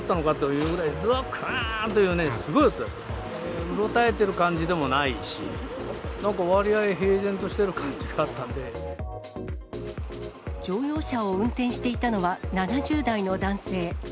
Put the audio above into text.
うろたえてる感じでもないし、なんか割合、乗用車を運転していたのは、７０代の男性。